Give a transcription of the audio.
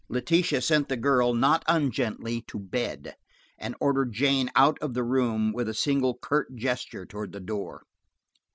Letitia sent the girl, not ungently, to bed, and ordered Jane out of the room with a single curt gesture toward the door.